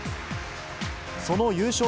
その優勝